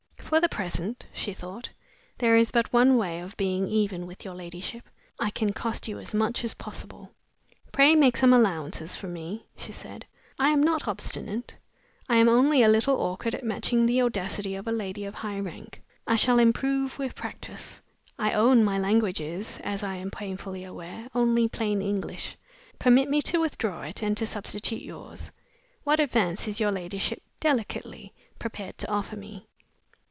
"For the present," she thought, "there is but one way of being even with your ladyship. I can cost you as much as possible." "Pray make some allowances for me," she said. "I am not obstinate I am only a little awkward at matching the audacity of a lady of high rank. I shall improve with practice. My own language is, as I am painfully aware, only plain English. Permit me to withdraw it, and to substitute yours. What advance is your ladyship (delicately) prepared to offer me?"